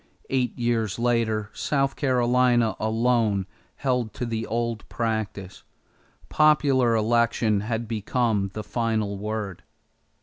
Eight years later South Carolina alone held to the old practice. Popular election had become the final word.